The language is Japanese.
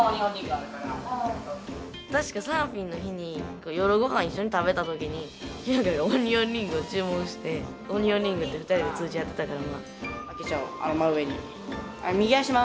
確かサーフィンの日に夜ごはん一緒に食べた時にひゅうががオニオンリングを注文してオニオンリングって２人で通じ合ってたから。